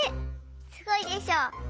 すごいでしょ。